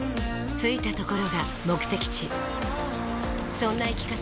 着いたところが目的地そんな生き方